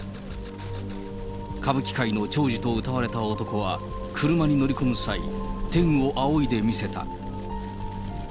歌舞伎界の寵児とうたわれた男は、車に乗り込む際、天を仰いで見せた。